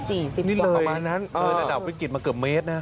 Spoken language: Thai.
เตินระดับวิกิจมาเกือบเมตรนะ